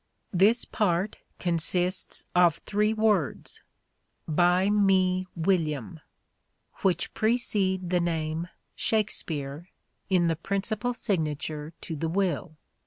This part consists of three words, " By me William," which precede the name " Shakspeare " in the principal signature to the will.